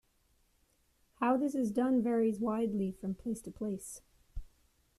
How this is done varies widely from place to place.